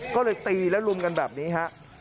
ก็เลยตีแล้วลุมกันแบบนี้ครับ